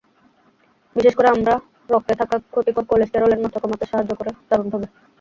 বিশেষ করে আমড়া রক্তে থাকা ক্ষতিকর কোলেস্টেরলের মাত্রা কমাতে সাহায্য করে দারুণভাবে।